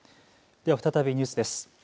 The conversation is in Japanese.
では再びニュースです。